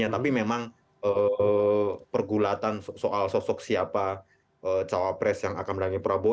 tapi memang pergulatan soal sosok siapa cawapres yang akan menangani prabowo